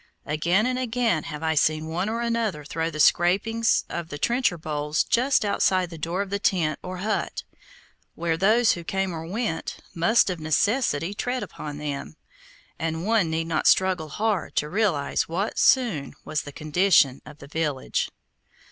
Again and again have I seen one or another throw the scrapings of the trencher bowls just outside the door of the tent or hut, where those who came or went must of a necessity tread upon them, and one need not struggle hard to realize what soon was the condition of the village.